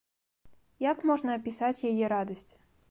Як можна апісаць яе радасць?